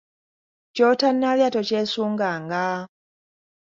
Ky’otannalya tokyusunganga.